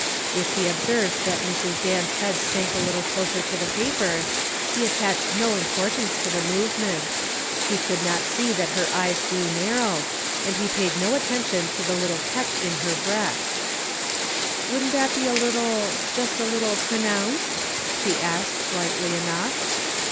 If he observed that Mrs. Dan's head sank a little closer to the paper, he attached no importance to the movement; he could not see that her eyes grew narrow, and he paid no attention to the little catch in her breath. "Wouldn't that be a little just a little pronounced?" she asked, lightly enough.